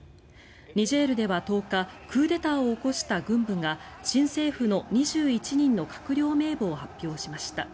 ニジェールでは１０日クーデターを起こした軍部が新政府の２１人の閣僚名簿を発表しました。